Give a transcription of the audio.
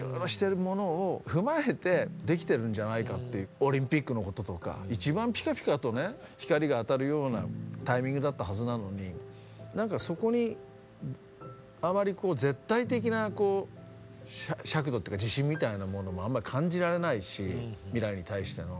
オリンピックのこととか一番ピカピカとね光が当たるようなタイミングだったはずなのに何かそこにあまりこう絶対的な尺度というか自信みたいなものもあまり感じられないし未来に対しての。